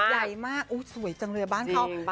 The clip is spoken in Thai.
ใหญ่มากสวยจังเลยบ้านเขา